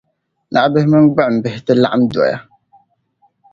naɣibihi mini gbuɣimbihi ti laɣim doya.